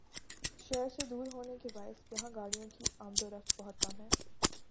شہر سے دور ہونے کے باعث یہاں گاڑیوں کی آمدورفت بہت کم ہے